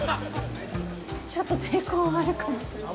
ちょっと抵抗あるかもしれない。